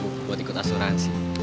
gue mau ikut asuransi